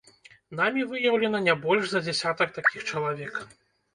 Намі выяўлена не больш за дзясятак такіх чалавек.